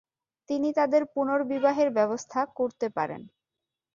তিনি তাদের পুনর্বিবাহের ব্যবস্থা করতে পারেন।